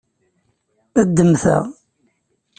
Ddem ta.